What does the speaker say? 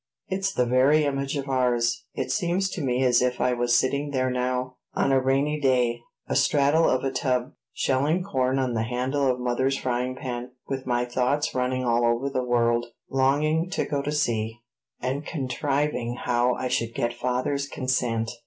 It's the very image of ours; it seems to me as if I was setting there now, on a rainy day, astraddle of a tub, shelling corn on the handle of mother's frying pan, with my thoughts running all over the world, longing to go to sea, and contriving how I should get father's consent."